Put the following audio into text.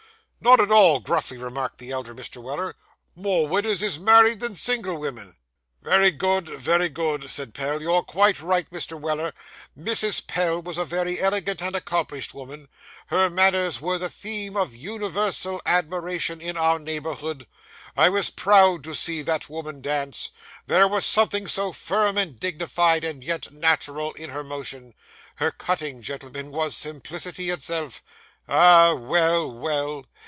'Not at all,' gruffly remarked the elder Mr. Weller. 'More widders is married than single wimin.' 'Very good, very good,' said Pell, 'you're quite right, Mr. Weller. Mrs. Pell was a very elegant and accomplished woman; her manners were the theme of universal admiration in our neighbourhood. I was proud to see that woman dance; there was something so firm and dignified, and yet natural, in her motion. Her cutting, gentlemen, was simplicity itself. Ah! well, well!